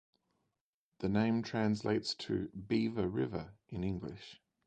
The name translates to "Beaver River" in English.